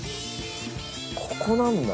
ここなんだ！